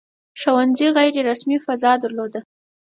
• ښوونځي غیر رسمي فضا درلوده.